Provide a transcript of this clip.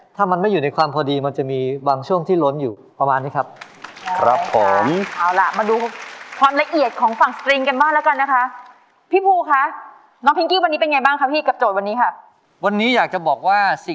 แต่จากนี้ฉันคิดว่ารักคือความเสียใจ